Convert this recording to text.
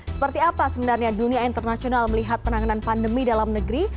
seperti apa sebenarnya dunia internasional melihat penanganan pandemi dalam negeri